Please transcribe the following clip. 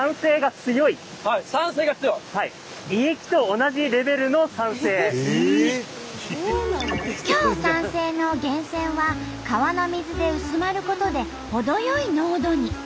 強酸性の源泉は川の水で薄まることで程よい濃度に。